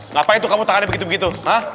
ngapain tuh kamu tangannya begitu begitu